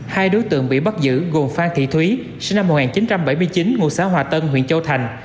hai đối tượng bị bắt giữ gồm phan thị thúy sinh năm một nghìn chín trăm bảy mươi chín ngụ xã hòa tân huyện châu thành